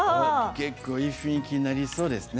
結構いい雰囲気になりそうですね。